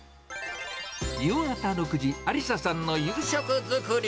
夕方６時、ありささんの夕食作り。